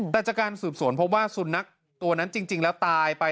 แต่จากการสืบสวนพบว่าสุนัขตัวนั้นจริงแล้วตายไป